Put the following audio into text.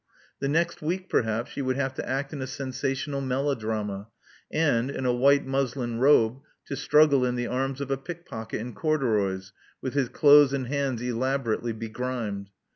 The next week, perhaps, she would have to act in a sensational melodrama, and, in a white muslin robe, to struggle in the arms of a pickpocket in corduroys, with his clothes and hands elaborately begrimed.